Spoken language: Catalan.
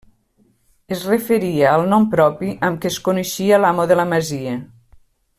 Es referia al nom propi amb què es coneixia l'amo de la masia.